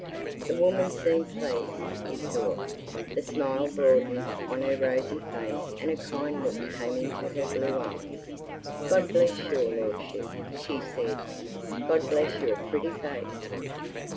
The woman seemed pleased, he thought. The smile broadened on her rosy face and a kind look came into her blue eyes. "God bless your lordship!" she said. "God bless your pretty face!